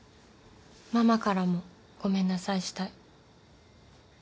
ママからもごめんなさいしたい。